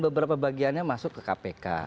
beberapa bagiannya masuk ke kpk